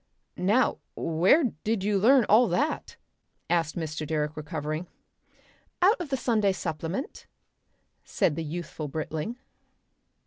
"Now where did you learn all that?" asked Mr. Direck recovering. "Out of the Sunday Supplement," said the youthful Britling.